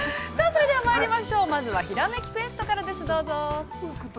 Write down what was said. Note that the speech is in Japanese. それではまいりましょう、まずは「ひらめきクエスト」からです、どうぞ。